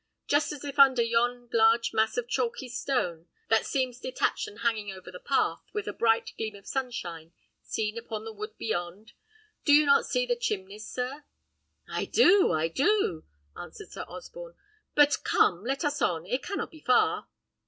just as if under yon large mass of chalky stone, that seems detached and hanging over the path, with a bright gleam of sunshine seen upon the wood beyond? Do you not see the chimneys, sir?" "I do, I do," answered Sir Osborne. "But, come, let us on, it cannot be far."